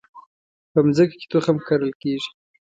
په مځکه کې تخم کرل کیږي